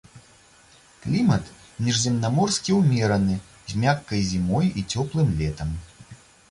Клімат міжземнаморскі ўмераны з мяккай зімой і цёплым летам.